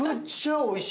おいしい！